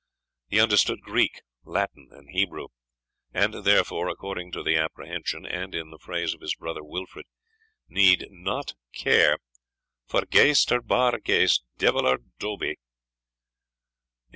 He understood Greek, Latin, and Hebrew; and, therefore, according to the apprehension, and in the phrase of his brother Wilfred, needed not to care "for ghaist or bar ghaist, devil or dobbie."